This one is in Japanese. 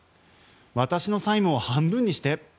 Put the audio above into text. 私の債務を半分にして。